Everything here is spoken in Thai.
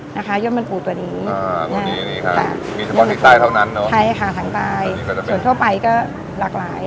มีแจ้งที่ใต้เท่านั้นใช่ค่ะส่วนทั่วไปก็หลากหลาย